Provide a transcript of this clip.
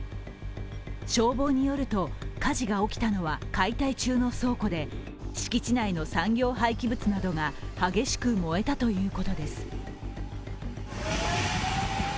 消防によると、火事が起きたのは解体中の倉庫で敷地内の産業廃棄物などが激しく燃えたということです。